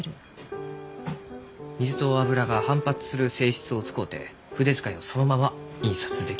水と油が反発する性質を使うて筆遣いをそのまま印刷できる。